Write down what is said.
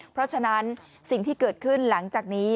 เพราะฉะนั้นสิ่งที่เกิดขึ้นหลังจากนี้